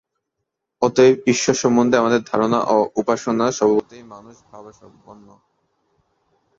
অতএব ঈশ্বর সম্বন্ধে আমাদের ধারণা ও উপাসনা স্বভাবতই মানুষ-ভাবাপন্ন।